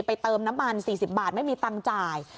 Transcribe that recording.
เติมน้ำมัน๔๐บาทไม่มีตังค์จ่าย